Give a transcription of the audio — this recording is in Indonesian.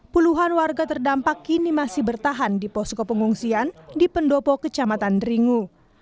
puluhan warga terdampak kini masih bertahan di posko pengungsian di pendopo kecamatan deringu